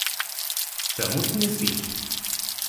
Чаму ты не спіш?